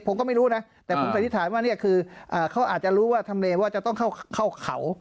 ผมก็ไม่รู้นะแต่ผมสันนิษฐานว่านี่คือเขาอาจจะรู้ว่าทำเลว่าจะต้องเข้าเขา